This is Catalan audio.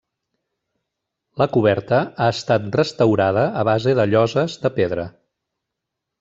La coberta ha estat restaurada a base de lloses de pedra.